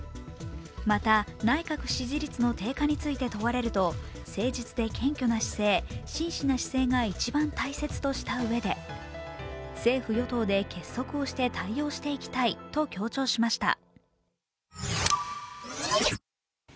また、内閣支持率の低下について問われると誠実で謙虚な姿勢、真摯な姿勢が一番大切としたうえで政府・与党で結束をして対応していきたいと強調しました。